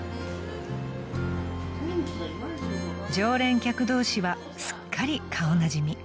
［常連客同士はすっかり顔なじみ］